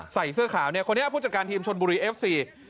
ใส่เสื้อขาวเนี่ยคนนี้ผู้จัดการทีมชนบุรีเอฟซี